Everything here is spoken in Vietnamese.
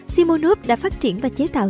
simunov đã phát triển và chế tạo